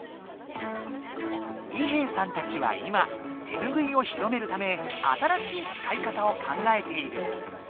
伊兵さんたちは今手ぬぐいを広めるため新しいつかいかたを考えている。